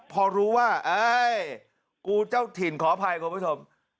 พอรู้ว่าเอ้ยกูเจ้าถิ่นขออภัยคุณผู้ชม